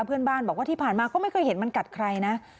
เพื่อนบ้านบอกว่าที่ผ่านมาเขาไม่เคยเห็นมันกัดใครนะ